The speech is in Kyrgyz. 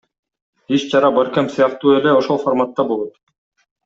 Иш чара Баркэмп сыяктуу эле ошол фарматта болот.